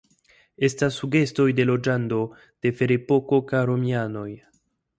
Estas sugestoj de loĝado de Ferepoko kaj romianoj.